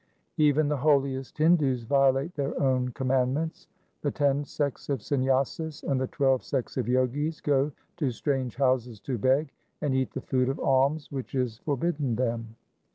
2 Even the holiest Hindus violate their own com mandments :— The ten sects of Sanyasis and the twelve sects of Jogis go to strange houses to beg, and eat the food of alms which is forbidden them.